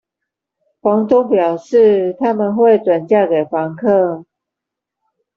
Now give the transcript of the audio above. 房東表示，他們會轉嫁給房客